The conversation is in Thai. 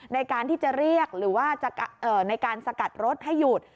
ในการที่จะเรียกหรือว่าในการสกัดรถให้หยุด